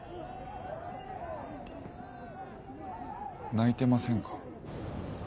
ないてませんか？